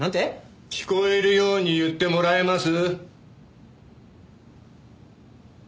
聞こえるように言ってもらえます？